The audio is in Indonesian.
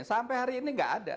sampai hari ini nggak ada